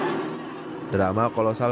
makanya ya bisa mengenang pahlawan kita saja